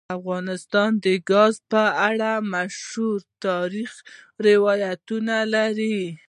افغانستان د ګاز په اړه مشهور تاریخی روایتونه لري.